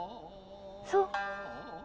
そう。